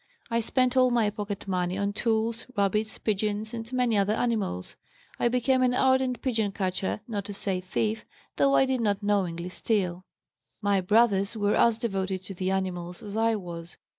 I spent all my pocket money on tools, rabbits, pigeons and many other animals. I became an ardent pigeon catcher, not to say thief, though I did not knowingly steal. "My brothers were as devoted to the animals as I was.